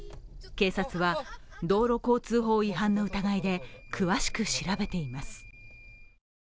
警察は道路交通法違反の疑いで詳しく調べています。